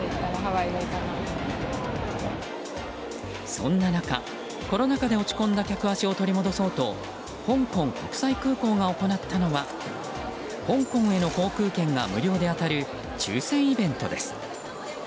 そんな中コロナ禍で落ち込んだ客足を取り戻そうと香港国際空港が行ったのは無料で当たる抽選イベントです。